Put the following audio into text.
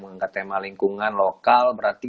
mengangkat tema lingkungan lokal berarti